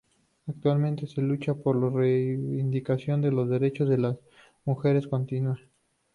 Actualmente, su lucha por la reivindicación de los derechos de las mujeres continúa.